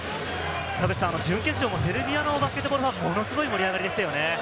準決勝もセルビアのバスケットボールファン、ものすごい盛り上がりでしたね。